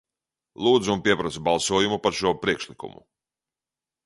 Lūdzu un pieprasu balsojumu par šo priekšlikumu.